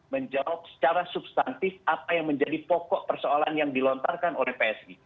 menjawab secara substantif apa yang menjadi pokok persoalan yang dilontarkan oleh psi